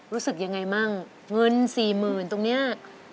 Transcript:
รู้สึกยังไงมั่งเงิน๔๐๐๐๐ตรงนี้